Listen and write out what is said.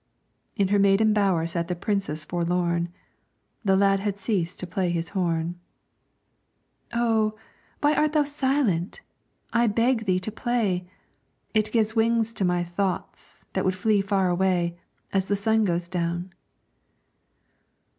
In her maiden bower sat the Princess forlorn, The lad had ceased to play on his horn. "Oh, why art thou silent? I beg thee to play! It gives wings to my thoughts that would flee far away, As the sun goes down."